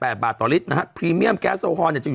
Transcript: พี่โอ๊คบอกว่าเขินถ้าต้องเป็นเจ้าภาพเนี่ยไม่ไปร่วมงานคนอื่นอะได้